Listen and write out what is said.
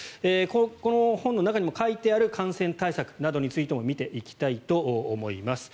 この本の中にも書いてある感染対策などについても見ていきたいと思います。